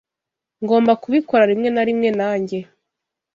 Ngomba kubikora rimwe na rimwe, nanjye.